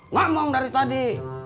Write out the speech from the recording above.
ngomong dari tadi